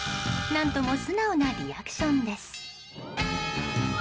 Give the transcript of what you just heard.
何とも素直なリアクションです。